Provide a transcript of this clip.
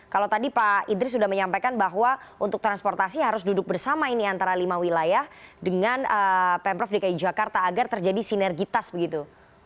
kalau tadi pak idris sudah menyampaikan bahwa untuk transportasi harus duduk bersama ini antara lima wilayah dengan pemprov dki jakarta agar terjadi sinergitas begitu